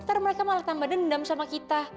ntar mereka malah tambah dan endam sama kita